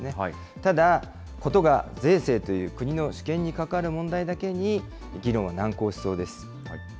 ただ、ことが税制という国の主権に関わる問題だけに、議論は難航しそうです。